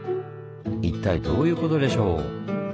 一体どういうことでしょう？